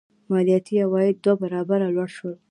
مالیاتي عواید دوه برابره لوړ شول.